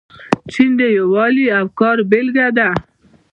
چین د یووالي او کار بیلګه ده.